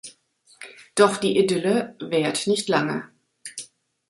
Doch die Idylle währt nicht lange.